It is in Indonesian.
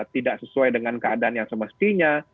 tidak sesuai dengan keadaan yang semestinya